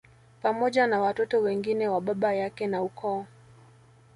Pamoja na watoto wengine wa baba yake na ukoo